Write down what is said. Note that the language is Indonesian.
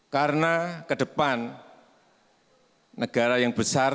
karena ke depan negara yang besar